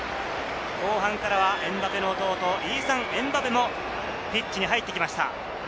後半からはエムバペの弟、イーサン・エムバペもピッチに入ってきました。